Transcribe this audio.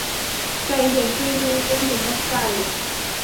ไก่เห็นตีนงู งูเห็นนมไก่